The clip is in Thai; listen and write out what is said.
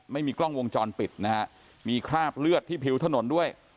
ไม่มีกล้องวงจรปิดนะฮะมีคราบเลือดที่ผิวถนนด้วย